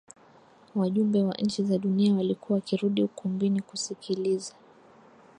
Wajumbe wa nchi za dunia walikuwa wakirudi ukumbini kusikiliza